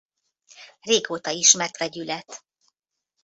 Régóta ismert vegyület.